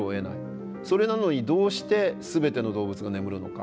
それなのにどうして全ての動物が眠るのか。